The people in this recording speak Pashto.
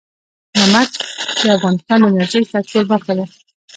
نمک د افغانستان د انرژۍ سکتور برخه ده.